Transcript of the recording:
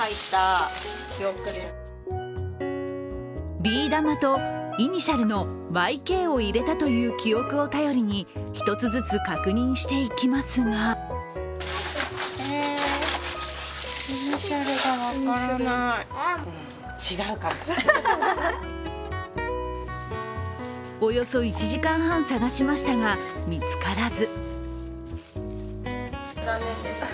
ビー玉とイニシャルのＹ．Ｋ．を入れたという記憶を頼りに１つずつ確認していきますがおよそ１時間半探しましたが見つからず。